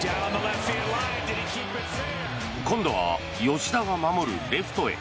今度は吉田が守るレフトへ。